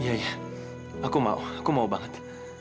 iya iya aku mau aku mau banget